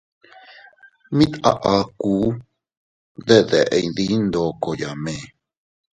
Mit a akuu de deʼe diin ndoko yaʼme.